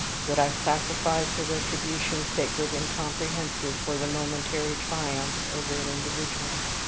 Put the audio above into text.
Would I sacrifice a retribution sacred and comprehensive, for the momentary triumph over an individual?